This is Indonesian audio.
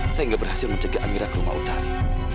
saya gak berhasil menjaga amira ke rumah utari